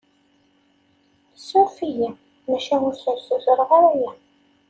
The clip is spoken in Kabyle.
Suref-iyi, maca ur sutreɣ ara aya.